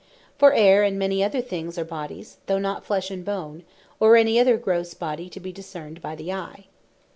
For Air and many other things are Bodies, though not Flesh and Bone, or any other grosse body, to bee discerned by the eye.